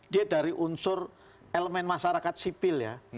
dia dari unsur elemen masyarakat sipil ya